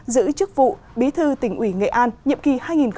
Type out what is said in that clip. giữ chức vụ bí thư tỉnh ủy nghệ an nhiệm kỳ hai nghìn hai mươi hai nghìn hai mươi